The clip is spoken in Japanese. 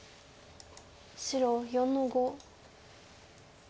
白４の五。